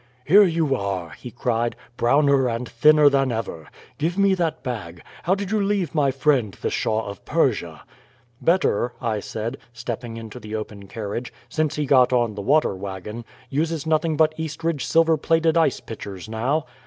"Here you are," he cried, "browner and thinner than ever! Give me that bag. How did you leave my friend the Shah of Persia?" "Better," I said, stepping into the open carriage, "since he got on the water wagon uses nothing but Eastridge silver plated ice pitchers now."